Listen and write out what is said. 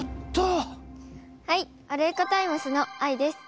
はいワルイコタイムスのあいです。